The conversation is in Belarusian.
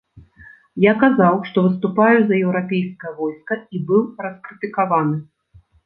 Я казаў, што выступаю за еўрапейскае войска, і быў раскрытыкаваны.